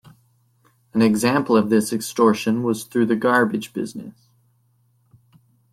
An example of this extortion was through the garbage business.